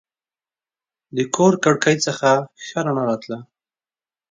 د کور کړکۍ څخه ښه رڼا راتله.